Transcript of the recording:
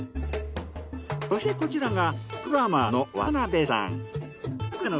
そしてこちらがプロドラマーの渡辺さん。